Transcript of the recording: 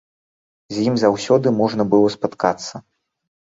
З ім заўсёды можна было спаткацца.